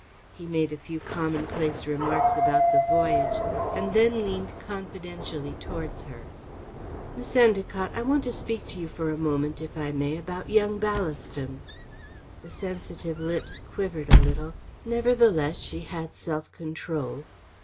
He made a few commonplace remarks about the voyage, and then leaned confidentially towards her. "Miss Endacott, I want to speak to you for a moment, if I may, about young Ballaston." The sensitive lips quivered a little. Nevertheless she had self control.